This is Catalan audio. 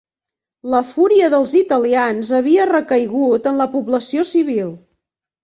La fúria dels italians havia recaigut en la població civil